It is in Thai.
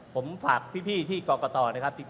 ผมฝากพี่ที่กรกตนะครับ